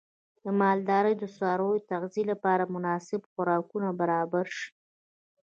د مالدارۍ د څارویو د تغذیې لپاره مناسب خوراکونه برابر شي.